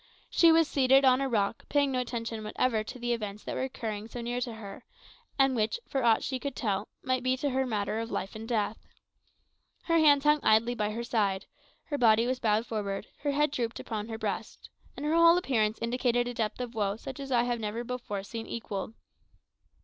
She was seated on a rock, paying no attention whatever to the events that were occurring so near to her, and which, for aught she could tell, might be to her matter of life or death. Her hands hung idly by her side; her body was bowed forward; her head drooped on her breast; and her whole appearance indicated a depth of woe such as I have never before seen equalled.